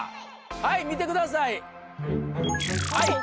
はい見てくださいはい！